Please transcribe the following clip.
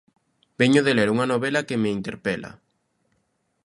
Veño de ler unha novela que me interpela.